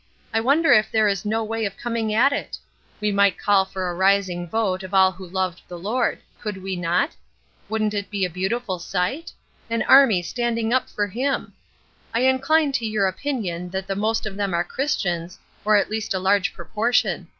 I wonder if there is no way of coming at it? We might call for a rising vote of all who loved the Lord; could we not? Wouldn't it be a beautiful sight? a great army standing up for him! I incline to your opinion that the most of them are Christians, or at least a large proportion.